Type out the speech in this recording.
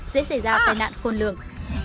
dễ xảy ra tài nạn khôn lường